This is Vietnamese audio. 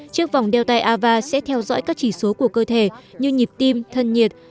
trước vòng đeo tay ava sẽ theo dõi các chỉ số của cơ thể như nhịp tim thân nhiệt